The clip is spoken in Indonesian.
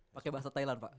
pakai bahasa thailand pak